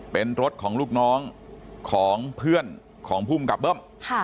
เป็นรถของลูกน้องของเพื่อนของภูมิกับเบิ้ม